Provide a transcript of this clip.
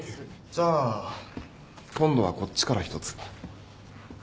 じゃあ今度はこっちから一つ。